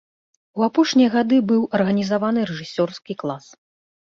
У апошнія гады быў арганізаваны рэжысёрскі клас.